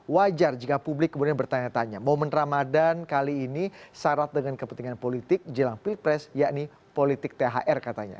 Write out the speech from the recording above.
wajar jika publik kemudian bertanya tanya momen ramadan kali ini syarat dengan kepentingan politik jelang pilpres yakni politik thr katanya